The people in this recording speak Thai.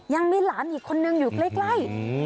ยังมีหลานอีกคนนึงอยู่ใกล้